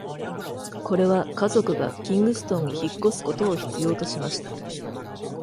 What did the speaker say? これは家族がキングストンに引っ越すことを必要としました。